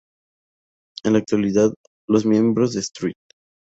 En la actualidad, los miembros de St.